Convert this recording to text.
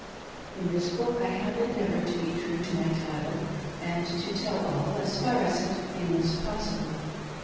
In this book I have endeavored to be true to my title and to "tell all" as far as such a thing was possible.